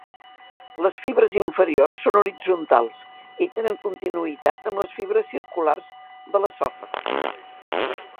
Les fibres inferiors són horitzontals i tenen continuïtat amb les fibres circulars de l'esòfag.